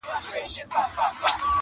چوپتيا تر ټولو درنه ښکاري ډېر-